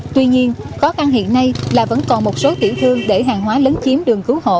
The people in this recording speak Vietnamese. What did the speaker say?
tuy nhiên khó khăn hiện nay là vẫn còn một số tiểu thương để hàng hóa lớn chiếm đường cứu hộ